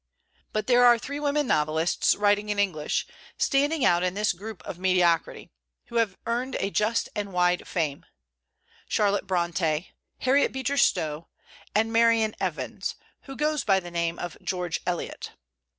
But there are three women novelists, writing in English, standing out in this group of mediocrity, who have earned a just and wide fame, Charlotte Bronté, Harriet Beecher Stowe, and Marian Evans, who goes by the name of George Eliot.